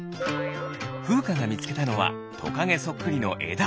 ふうかがみつけたのはトカゲそっくりのえだ。